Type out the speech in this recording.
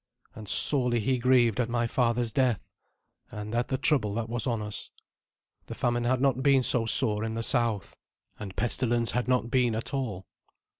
And sorely he grieved at my father's death, and at the trouble that was on us. The famine had not been so sore in the south, and pestilence had not been at all.